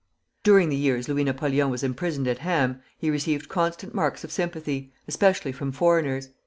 During the years Louis Napoleon was imprisoned at Ham, he received constant marks of sympathy, especially from foreigners.